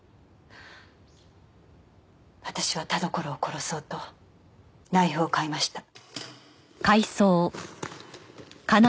私は田所を殺そうとナイフを買いました。